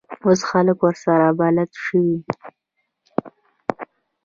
اوس خلک ورسره بلد شوي.